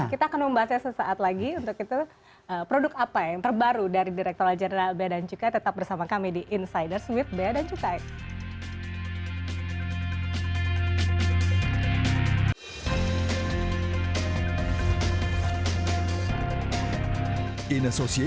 kita akan membahasnya sesaat lagi untuk itu produk apa yang terbaru dari direkturat jenderal bea dan cukai tetap bersama kami di insiders with bea dan cukai